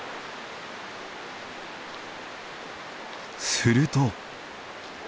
すると。